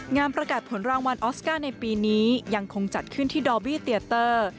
งานประกาศผลรางวัลออสการ์ในปีนี้ยังคงจัดขึ้นที่ดอบี้เตียเตอร์